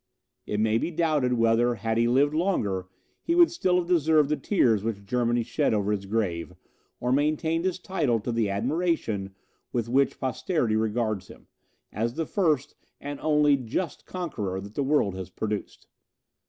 It may be doubted whether, had he lived longer, he would still have deserved the tears which Germany shed over his grave, or maintained his title to the admiration with which posterity regards him, as the first and only JUST conqueror that the world has produced.